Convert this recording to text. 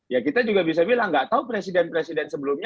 ya kita juga bisa bilang nggak tahu presiden presiden sebelumnya